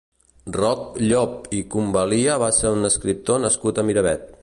Roc Llop i Convalia va ser un escriptor nascut a Miravet.